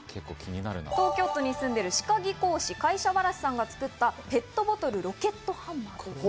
東京都に住んでいる、会社わらしさんが作ったペットボトルロケットハンマー。